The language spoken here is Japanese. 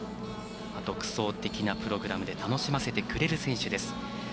独創的なプログラムで楽しませてくれる選手です。